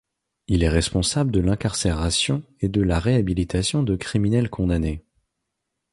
Il est responsable de l'incarcération et de la réhabilitation de criminels condamnés.